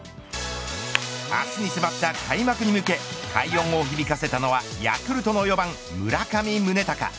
明日に迫った開幕に向け快音を響かせたのはヤクルトの４番村上宗隆。